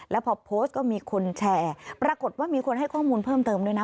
แล้วพอโพสต์ก็มีคนแชร์ปรากฏว่ามีคนให้ข้อมูลเพิ่มเติมด้วยนะ